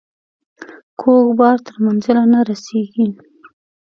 کوږ بار تر منزله نه رسیږي.